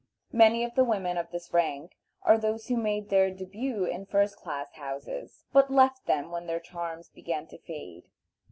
Many of the women of this rank are those who made their début in first class houses, but left them when their charms began to fade.